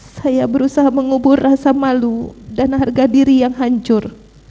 saya berusaha mengubur rasa malu dan harga diri yang hancur